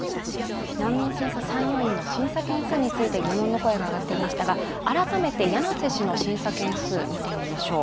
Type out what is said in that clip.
難民審査参与員の審査件数について疑問の声が上がっていましたが改めて柳瀬氏の審査件数を見ていきましょう。